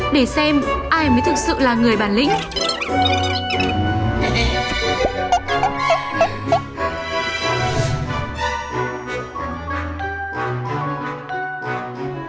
để xem ai mới thực sự là người bản lĩnh